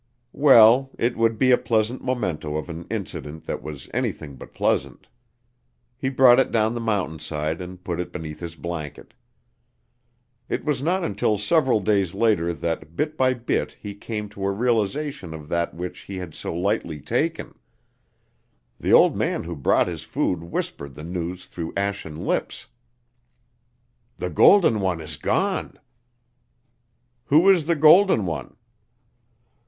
Well, it would be a pleasant memento of an incident that was anything but pleasant. He brought it down the mountain side and put it beneath his blanket. It was not until several days later that bit by bit he came to a realization of that which he had so lightly taken. The old man who brought his food whispered the news through ashen lips. "The Golden One is gone." "Who is the Golden One?"